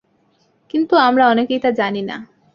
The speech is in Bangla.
কিন্তু আমরা অনেকেই তা জানি না।